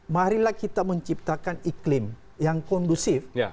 marilah kita menciptakan iklim yang kondusif